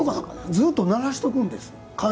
ずっとならしておくんです。